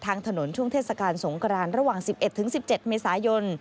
ถนนช่วงเทศกาลสงกรานระหว่าง๑๑๑๑๗เมษายน